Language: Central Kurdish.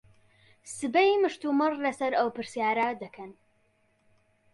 سبەی مشتومڕ لەسەر ئەو پرسیارە دەکەن.